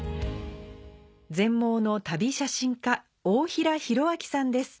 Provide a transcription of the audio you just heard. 全盲の旅写心家大平啓朗さんです。